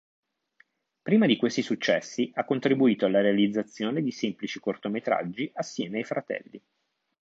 Prima di questi successi ha contribuito alla realizzazione di semplici cortometraggi assieme ai fratelli.